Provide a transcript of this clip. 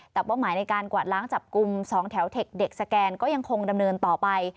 แต่เป้าหมายในการกวาดล้างจับกลุ่ม๒แถวเทคเด็กสแกนก็ยังคงดำเนินต่อไป